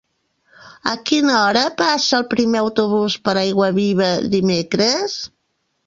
A quina hora passa el primer autobús per Aiguaviva dimecres?